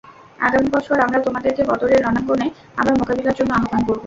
আগামী বছর আমরা তোমাদেরকে বদরের রণাঙ্গনে আবার মোকাবিলার জন্য আহবান করব।